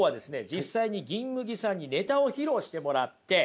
実際に銀麦さんにネタを披露してもらって。